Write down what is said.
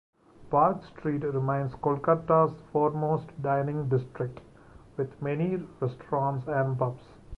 Park Street remains Kolkata's foremost dining district, with many restaurants and pubs.